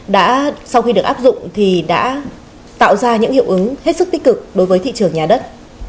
đã sau khi được áp dụng thì đã tạo ra những hiệu ứng hết sức tích cực đối với thị trường nhà đất